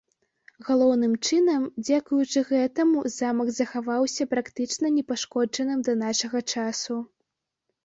Галоўным чынам, дзякуючы гэтаму замак захаваўся практычна непашкоджаным да нашага часу.